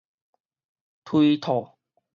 推套